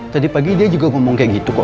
tadi pagi dia juga ngomong kayak gitu kok